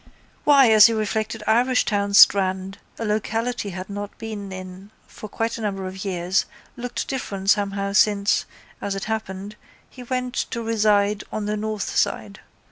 Why, as he reflected, Irishtown strand, a locality he had not been in for quite a number of years looked different somehow since, as it happened, he went to reside on the north side.